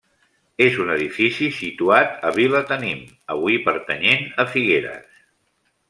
És un edifici situat a Vilatenim, avui pertanyent a Figueres.